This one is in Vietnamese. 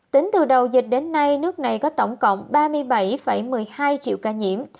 tính từ đầu dịch đến nay nước này có tổng cộng ba mươi bảy một mươi hai triệu ca nhiễm